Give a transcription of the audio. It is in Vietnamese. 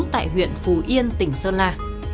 tại huyện phủ yên tỉnh sơn la